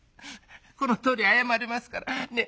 このとおり謝りますからねえ